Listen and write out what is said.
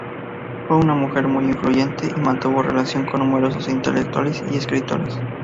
Fue una mujer muy influyente y mantuvo relación con numerosos intelectuales y escritores.